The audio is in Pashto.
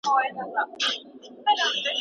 که په یوه موضوع پوه نه وې پوښتنه وکړه.